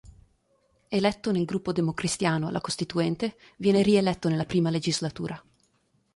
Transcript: Eletto nel gruppo democristiano alla Costituente, viene rieletto nella I legislatura.